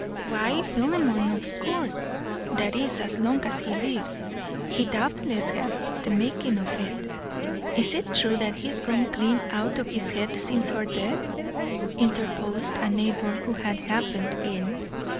"Why, Philemon, of course; that is, as long as he lives. He doubtless had the making of it." "Is it true that he's gone clean out of his head since her death?" interposed a neighbour who had happened in.